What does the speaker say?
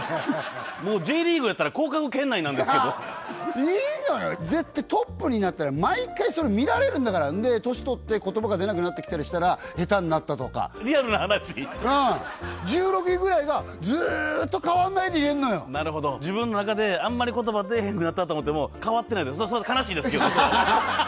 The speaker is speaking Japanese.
もうＪリーグやったら降格圏内なんですけどいいじゃない絶対トップになったら毎回それ見られるんだからで年とって言葉が出なくなってきたりしたら下手になったとかリアルな話うん１６位ぐらいがずーっと変わんないでいれるのよなるほど自分の中であんまり言葉出えへんくなったと思っても変わってないってそれはそれで悲しいですけどね